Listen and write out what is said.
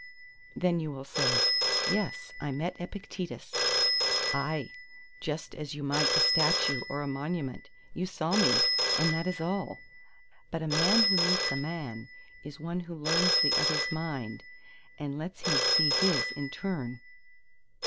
Then you will say, "Yes, I met Epictetus!" Aye, just as you might a statue or a monument. You saw me! and that is all. But a man who meets a man is one who learns the other's mind, and lets him see his in turn.